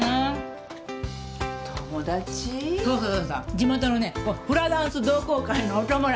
地元のねこうフラダンス同好会のお友達。